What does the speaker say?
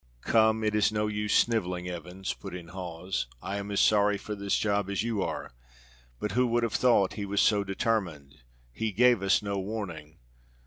"Come, it is no use sniveling, Evans," put in Hawes. "I am as sorry for this job as you are. But who would have thought he was so determined? He gave us no warning."